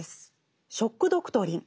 「ショック・ドクトリン」。